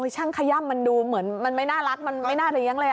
ช่างคย่ำรู้เหมือนไม่น่ารักไม่น่าเป็นอย่างนั้นเลย